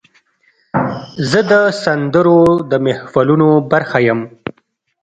زه د سندرو د محفلونو برخه یم.